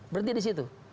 berhenti di situ